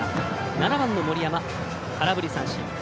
７番の森山、空振り三振。